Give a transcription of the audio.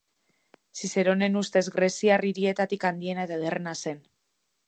Zizeronen ustez greziar hirietatik handiena eta ederrena zen.